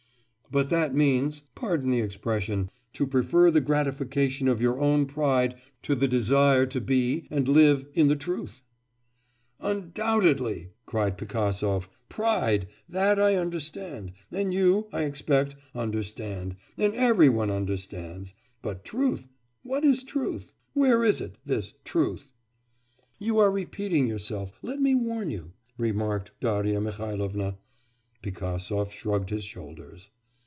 'But that means pardon the expression to prefer the gratification of your own pride to the desire to be and live in the truth.' 'Undoubtedly,' cried Pigasov, 'pride that I understand, and you, I expect, understand, and every one understands; but truth, what is truth? Where is it, this truth?' 'You are repeating yourself, let me warn you,' remarked Darya Mihailovna. Pigasov shrugged his shoulders.